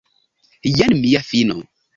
Jen mia fino!